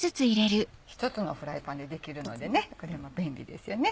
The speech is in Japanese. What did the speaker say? １つのフライパンでできるのでねこれも便利ですよね。